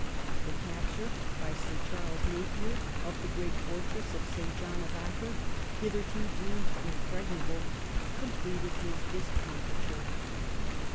The capture by Sir Charles Napier of the great for tress of St. John of Acre, hithei to deemed impregnable, completed his discomfiture.